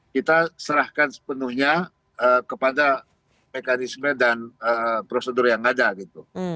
kita serahkan sepenuhnya kepada mekanisme dan prosedur yang ada gitu